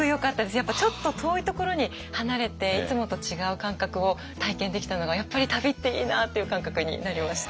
やっぱちょっと遠いところに離れていつもと違う感覚を体験できたのがやっぱり旅っていいな！っていう感覚になりました。